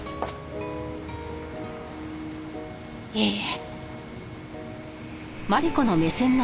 いいえ。